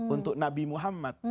untuk nabi muhammad